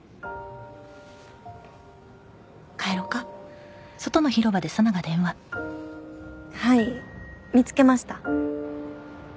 帰ろかはい見つけました